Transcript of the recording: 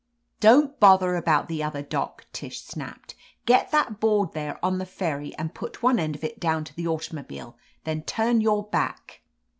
"Don't bother about the other dock," Tish snapped. "Get that board there on the ferry and put one end of it down to the automobile. Then turn your back."